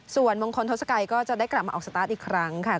ส่วนมงคลทศกัยก็จะได้กลับมาออกสตาร์ทอีกครั้งค่ะ